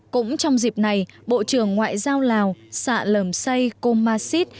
cũng trong dịp này bộ trưởng ngoại giao lào xã lầm say cô ma xít